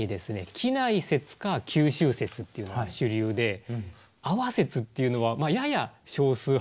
畿内説か九州説っていうのが主流で阿波説っていうのはやや少数派というか。